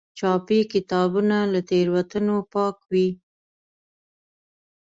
چاپي کتابونه له تېروتنو پاک وي.